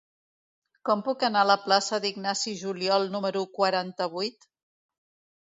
Com puc anar a la plaça d'Ignasi Juliol número quaranta-vuit?